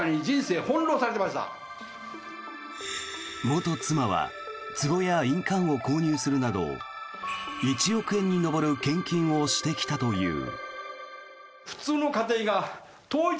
元妻はつぼや印鑑を購入するなど１億円に上る献金をしてきたという。